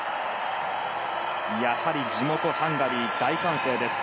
やはり地元ハンガリー大歓声です。